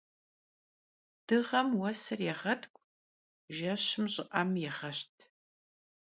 Dığem vuesır yêğetk'u, jjeşım ş'ı'em yêğeşt.